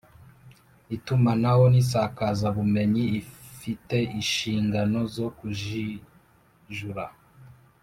Itumanaho n’Isakazabumenyi ifite inshingano zo kujijra